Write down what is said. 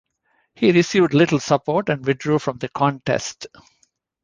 He received little support and withdrew from the contest.